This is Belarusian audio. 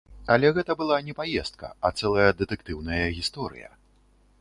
Але гэта была не паездка, а цэлая дэтэктыўная гісторыя.